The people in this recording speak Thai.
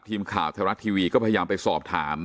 ทีมข่าวไทยรัฐทีวีก็พยายามไปสอบถาม